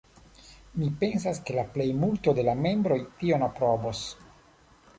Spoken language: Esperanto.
Mi pensas ke la plejmulto de la membroj tion aprobos.